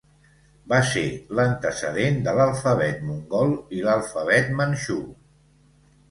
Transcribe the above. Va ser l'antecedent de l'alfabet mongol i l'alfabet manxú.